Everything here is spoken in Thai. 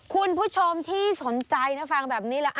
คุณผู้ชมที่สนใจนะฟังแบบนี้แล้ว